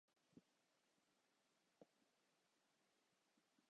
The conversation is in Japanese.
もういいですか